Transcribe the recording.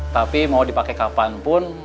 tapi mau dipakai kapanpun